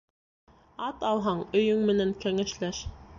Ат алһаң, өйөң менән кәңәшләш